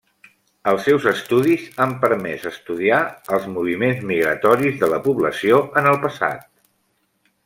Els seus estudis han permès estudiar els moviments migratoris de la població en el passat.